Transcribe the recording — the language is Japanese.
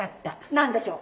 何でしょう？